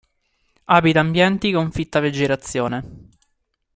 Abita ambienti con fitta vegetazione.